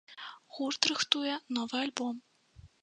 Гурт рыхтуе новы альбом.